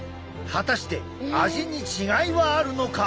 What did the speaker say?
果たして味に違いはあるのか？